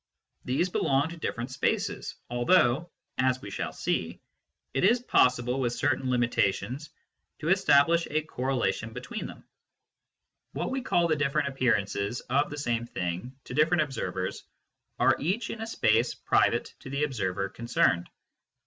These belong to different spaces, although, as we shall see, it is possible, with certain limitations, to establish a correlation between them. 1 Pvoc. /Irttf. Soc.. 1909 1910, pp. jQi 218. 154 MYSTICISM AND LOGIC What we call the different appearances of the same thing to different observers are each in a space private to the observer concerned.